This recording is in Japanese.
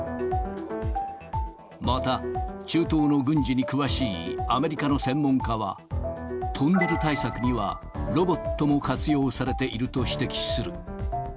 また、中東の軍事に詳しいアメリカの専門家は、トンネル対策には、ロボットも活用されていると指摘する。